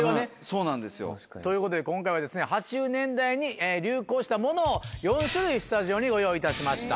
そうなんですよ。ということで今回は８０年代に流行したものを４種類スタジオにご用意いたしました。